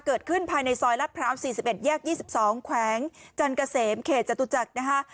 เกิดขึ้นภายในซอยรัดพร้อม๔๑แยก๒๒ขแขวงจันกเสมเขจจตุจักรนะฮะ